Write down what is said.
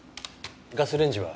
ガスレンジは？